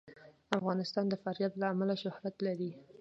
افغانستان د فاریاب له امله شهرت لري.